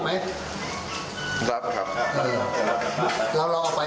แล้วเรารอไปเพราะอะไร